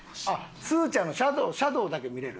すずちゃんのシャドーだけ見れる？